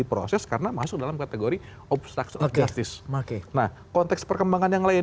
proses pengembangan itu dilakukan